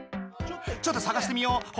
⁉ちょっとさがしてみよう。